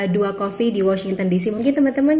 dua coffee di washington dc mungkin teman teman